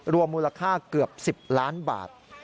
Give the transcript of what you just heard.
รวมมูลค่าเกือบ๑๐ล้านบาท